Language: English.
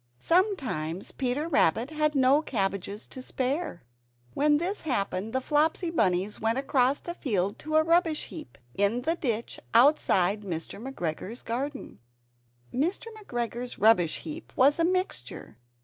Sometimes Peter Rabbit had no cabbages to spare. When this happened, the Flopsy Bunnies went across the field to a rubbish heap, in the ditch outside Mr. McGregor's garden. Mr. McGregor's rubbish heap was a mixture.